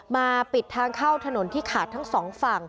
มาปิดทางเข้าถนนที่ขาดทั้งสองฝั่ง